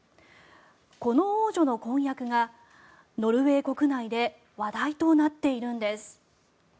この王女の婚約がノルウェー国内で話題となっているんです。